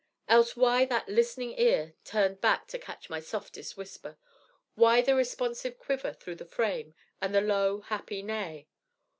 Else why that listening ear turned back to catch my softest whisper; why the responsive quiver through the frame, and the low, happy neigh?